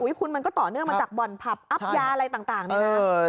อุ้ยคุณมันก็ต่อเนื่องมันจากบ่อนผับอัพยาอะไรต่างต่างนะครับ